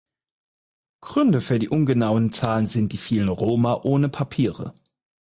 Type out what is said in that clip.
Gründe für die ungenauen Zahlen sind die vielen Roma ohne Papiere.